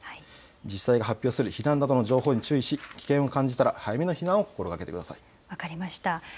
自治体が発表する避難情報に注意し、危険を感じたら早めの避難をしてください。